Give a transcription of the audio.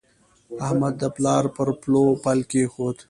احمد د پلار پر پلو پل کېښود.